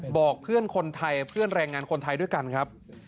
บอกเพื่อนคนไทยเพื่อนแรงงานคนไทยด้วยกันครับ